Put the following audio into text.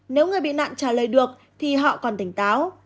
nếu người bị nạn trả lời được thì họ còn tỉnh táo